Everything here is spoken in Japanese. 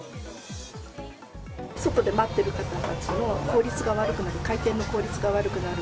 外に待ってる方たちの効率が悪くなる、回転の効率が悪くなる。